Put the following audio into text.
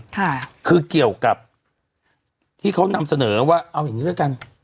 ค่ะคือเกี่ยวกับที่เขานำเสนอว่าเอาอย่างงี้แล้วกัน